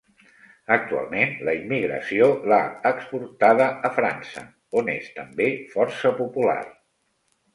Actualment la immigració l'ha exportada a França, on és també força popular.